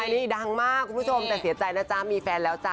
นี่ดังมากแต่เศรษฐ์ใจนะจ้ะมีแฟนแล้วจ๊ะ